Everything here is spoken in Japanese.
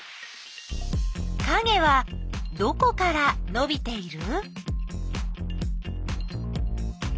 かげはどこからのびている？